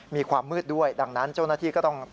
มีความมืดด้วยดังนั้นเจ้าหน้าที่ก็ต้อง